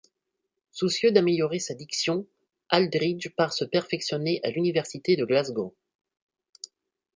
Soucieux d'améliorer sa diction, Aldridge part se perfectionner à l'université de Glasgow.